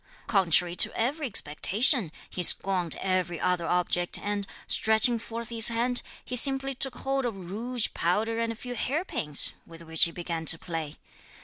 Contrary to every expectation, he scorned every other object, and, stretching forth his hand, he simply took hold of rouge, powder and a few hair pins, with which he began to play.